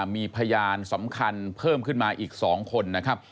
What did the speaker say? มีพยานสำคัญเพิ่มขึ้นมาอีก๒คนนะครับ